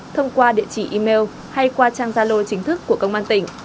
thông qua địa chỉ email hay qua trang zalo chính thức của công an tỉnh